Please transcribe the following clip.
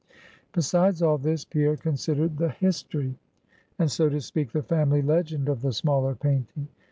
Besides all this, Pierre considered the history, and, so to speak, the family legend of the smaller painting.